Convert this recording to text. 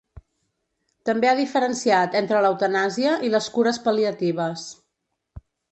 També ha diferenciat entre l’eutanàsia i les cures pal·liatives.